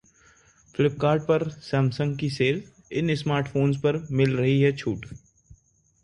Flipkart पर Samsung की sale, इन स्मार्टफोन्स पर मिल रही है छूट